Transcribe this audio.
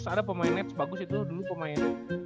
si skurx ada pemain net sebagus itu dulu pemain